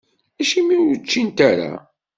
Acimi ur ččint ara?